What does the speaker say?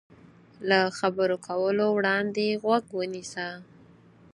له خبرو کولو وړاندې غوږ ونیسه.